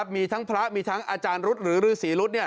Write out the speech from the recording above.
มีทั้งพระมีทั้งอาจารย์รุษหรือฤษีรุษ